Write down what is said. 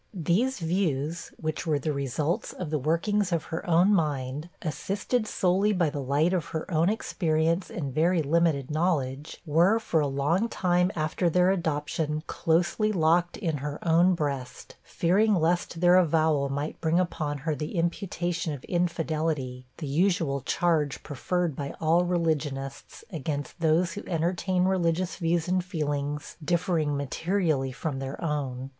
These views, which were the results of the workings of her own mind, assisted solely by the light of her own experience and very limited knowledge, were, for a long time after their adoption, closely locked in her own breast, fearing lest their avowal might bring upon her the imputation of 'infidelity,' the usual charge preferred by all religionists, against those who entertain religious views and feelings differing materially from their own.